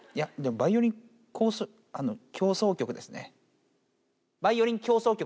バイオリン協奏曲です。